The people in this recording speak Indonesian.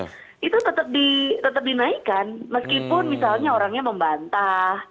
nah itu tetap dinaikkan meskipun misalnya orangnya membantah